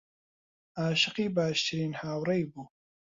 عاشقی باشترین هاوڕێی بوو.